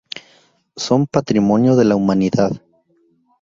Son Patrimonio de la Humanidad.